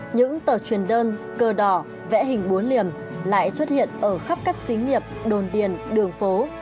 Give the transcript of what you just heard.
những tờ truyền đơn cờ đỏ vẽ hình búa liềm lại xuất hiện ở khắp các xí nghiệp đồn điền đường phố